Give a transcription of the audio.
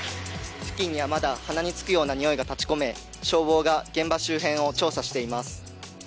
付近にはまだ鼻につくようなにおいが立ちこめ消防が現場周辺を調査しています。